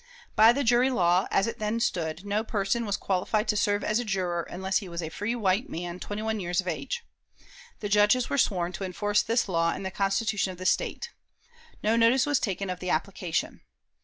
By the jury law, as it then stood, no person was qualified to serve as a juror unless he was a free white man, twenty one years of age. The Judges were sworn to enforce this law and the Constitution of the State. No notice was taken of the application.